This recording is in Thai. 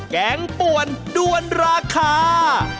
แกงป่วนด้วนราคา